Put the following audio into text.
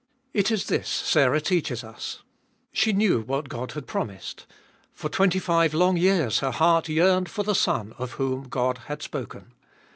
It is this Sarah teaches us. She knew what God had pro mised. For twenty five long years her heart yearned for the son of whom God had spoken.